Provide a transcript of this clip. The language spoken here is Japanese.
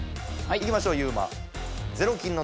いきましょうユウマ。